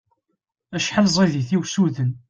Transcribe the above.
Acḥal ẓid-it i usuden!